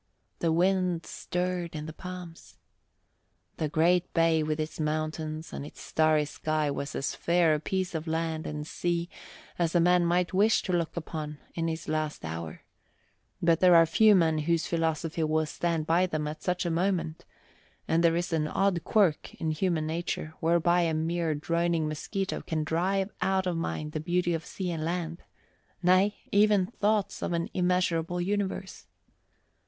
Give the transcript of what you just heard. The wind stirred in the palms. The great bay with its mountains and its starry sky was as fair a piece of land and sea as a man might wish to look upon in his last hour; but there are few men whose philosophy will stand by them at such a moment, and there is an odd quirk in human nature whereby a mere droning mosquito can drive out of mind the beauty of sea and land nay, even thoughts of an immeasurable universe.